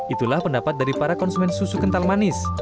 itulah pendapat dari para konsumen susu kental manis